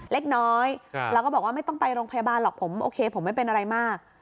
เล็กน้อยแล้วก็บอกว่าไม่ต้องไปโรงพยาบาลหรอกผมโอเคผมไม่เป็นอะไรมาก